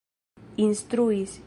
instruis